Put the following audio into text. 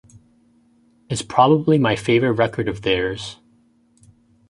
It's probably my favourite record of theirs.